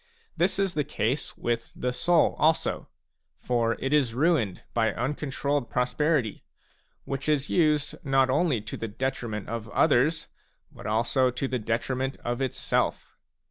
This is the case with the soul also ; for it is ruined by uncontrolled prosperity, which is used not only to the detriment of others, but also to the detriment of itself.